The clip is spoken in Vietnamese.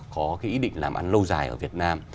có cái ý định làm ăn lâu dài ở việt nam